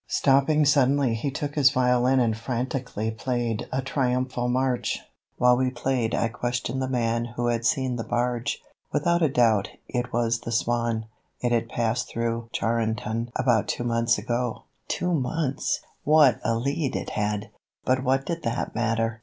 Stopping suddenly he took his violin and frantically played a triumphal march. While he played I questioned the man who had seen the barge. Without a doubt it was the Swan. It had passed through Charenton about two months ago. Two months! What a lead it had! But what did that matter!